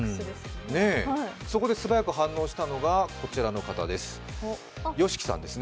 そこで素早く反応したのがこちらの方です、ＹＯＳＨＩＫＩさんです。